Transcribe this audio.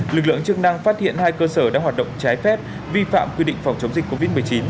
lực lượng chức năng phát hiện hai cơ sở đang hoạt động trái phép vi phạm quy định phòng chống dịch covid một mươi chín